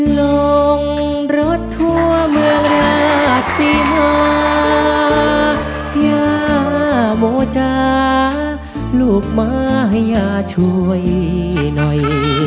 ลงรถทั่วเมืองราชินายาโบจาลูกม้าอย่าช่วยหน่อย